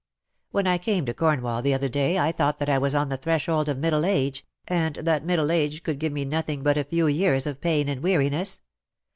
When I came to Cornwall the other day I thought that I was on the threshold of middle age, and that middle age could give me nothing but a few years of pain and weariness.